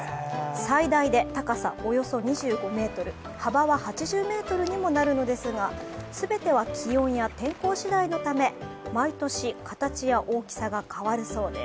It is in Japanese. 最大で高さおよそ２５ｍ、幅は８０ｍにもなるのですが、全ては気温や天候次第のため毎年形や大きさが変わるそうです。